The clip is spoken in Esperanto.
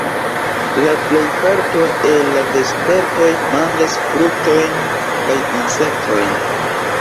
La plejparto el la vespertoj manĝas fruktojn kaj insektojn.